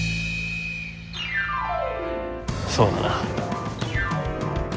そうだな。